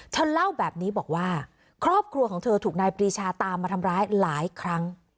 เธอเล่าแบบนี้บอกว่าครอบครัวของเธอถูกนายปรีชาตามมาทำร้ายหลายครั้ง